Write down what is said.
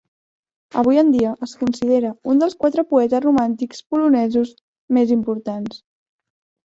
Avui en dia es considera un dels quatre poetes romàntics polonesos més importants.